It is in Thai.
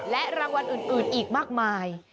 และรางวัลอื่นอีกมากมาย